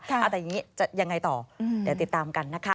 แต่อย่างนี้จะยังไงต่อเดี๋ยวติดตามกันนะคะ